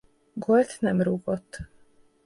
Gólt nem rúgott.